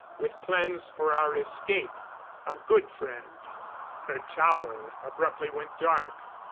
With plans for our escape. A good friend "_ Her tower abruptly went dark.